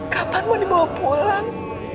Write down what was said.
kapan mau dibawa pulang